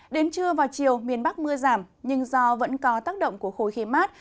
đến trưa vào chiều miền bắc mưa giảm nhưng do vẫn có tác động của khối khí mát